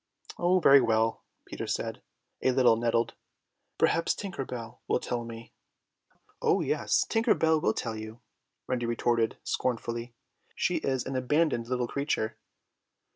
"Oh, very well," Peter said, a little nettled. "Perhaps Tinker Bell will tell me." "Oh yes, Tinker Bell will tell you," Wendy retorted scornfully. "She is an abandoned little creature."